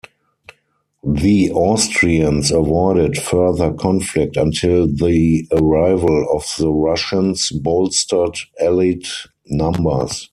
The Austrians avoided further conflict until the arrival of the Russians bolstered Allied numbers.